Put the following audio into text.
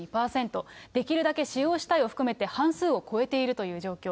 できるだけ使用したいを含めて半数を超えているという状況。